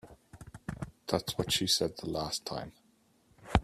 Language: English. That's what she said the last time.